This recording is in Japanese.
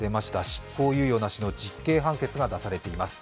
執行猶予なしの実刑判決が出されています。